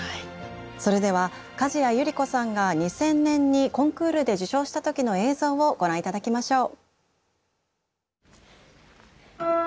それでは加治屋百合子さんが２０００年にコンクールで受賞した時の映像をご覧頂きましょう。